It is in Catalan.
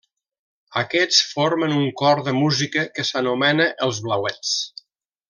Aquests formen un cor de música que s'anomena els Blauets.